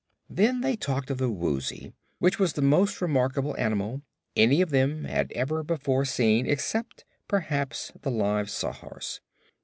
Then they talked of the Woozy, which was the most remarkable animal any of them had ever before seen except, perhaps, the live Sawhorse.